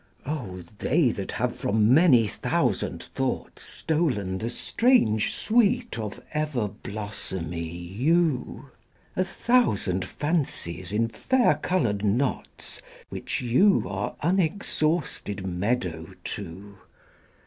O they that have, from many thousand thoughts, Stolen the strange sweet of ever blossomy you—A thousand fancies in fair coloured knotsWhich you are inexhausted meadow to.